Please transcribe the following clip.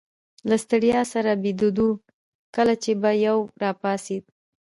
له ستړیا سره بیدېدو، کله چي به یو راپاڅېد.